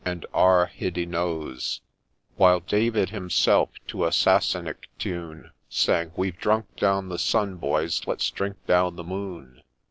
' and ' AT hydd y nos '; While David himself, to a Sassenach tune, Sang, ' We've drunk down the Sun, boys ! let 's drink down the Moon!